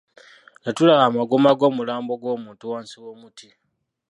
Ne tulaba amagumba g'omulambo gw'omuntu wansi w'omuti.